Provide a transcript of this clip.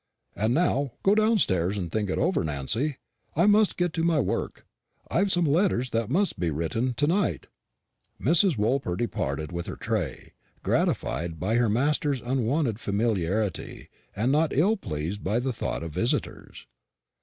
And now go downstairs and think it over, Nancy. I must get to my work. I've some letters that must be written to night." Mrs. Woolper departed with her tray, gratified by her master's unwonted familiarity, and not ill pleased by the thought of visitors.